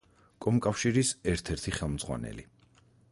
კომკავშირის ერთ-ერთი ხელმძღვანელი.